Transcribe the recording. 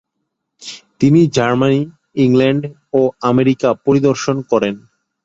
তিনি Germany, England ও America পরিদর্শন করেন।